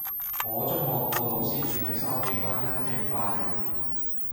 我中學個老師住喺筲箕灣欣景花園